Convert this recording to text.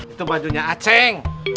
itu bajunya aceng